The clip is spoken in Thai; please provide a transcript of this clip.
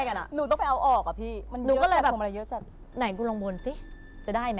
มันเยอะแบบมันมีอะไรเยอะจัดหนุก็เลยแบบไหนกูลองบดสิจะได้ไหม